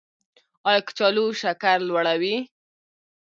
ایا کچالو شکر لوړوي؟